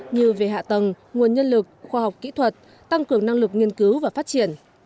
như về hạ tầng nguồn nhân lực khoa học kỹ thuật tăng cường năng lực nghiên cứu và phát triển